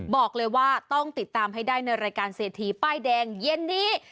บอกเลยว่าต้องติดตามให้ได้ในรายการเศรษฐีป้ายแดงเย็นนี้